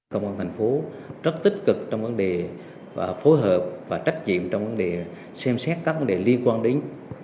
công an thành phố rất tích cực trong vấn đề phối hợp và trách nhiệm trong vấn đề xem xét các vấn đề liên quan đến